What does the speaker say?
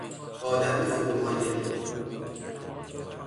آدم فرومایه